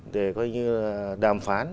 để coi như là đàm phán